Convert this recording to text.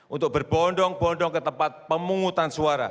untuk berbondong bondong ke tempat pemungutan suara